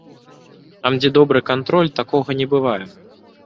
Там, дзе добры кантроль, такога не бывае.